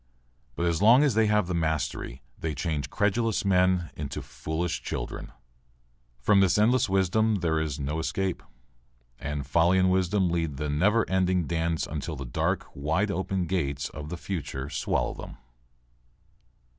But as long as they have the mastery they change credulous men into foolish children. From this endless round there is no escape. And folly and wisdom lead the never ending dance until the dark, wide open gates of the future swallow them.